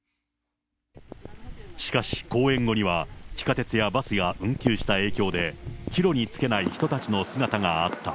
しかし、公演後には、地下鉄やバスが運休した影響で、帰路に就けない人たちの姿があった。